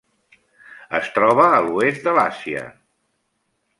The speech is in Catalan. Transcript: Es troba a l'oest de l'Àsia.